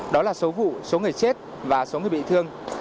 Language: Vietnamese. đó là số vụ số người chết và số người bị thương